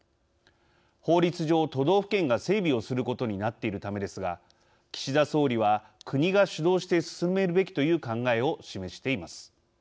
法律上、都道府県が整備をすることになっているためですが岸田総理は国が主導して進めるべきという考えを示しています。